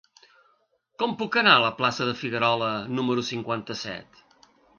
Com puc anar a la plaça de Figuerola número cinquanta-set?